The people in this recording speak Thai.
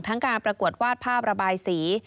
การประกวดวาดภาพระบายสี